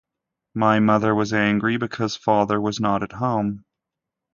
My mother was angry because Father was not at home.